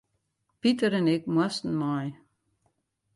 Piter en ik moasten mei.